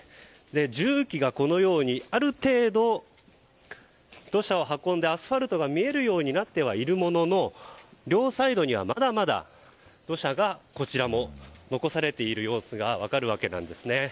重機がある程度、土砂を運んでアスファルトが見えるようになってはいるものの両サイドにはまだまだ土砂がこちらも残されている様子が分かるわけなんですね。